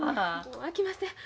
あきません。